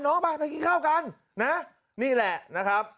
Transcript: น้องไปไปกินข้าวกันนะนี่แหละนะครับ